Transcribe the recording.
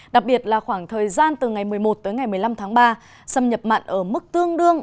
đặc biệt là khoảng thời gian từ ngày một mươi một tới ngày một mươi năm tháng ba xâm nhập mặn ở mức tương đương